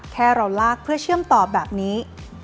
แค่เราลากเพื่อเชื่อมต่อแบบนี้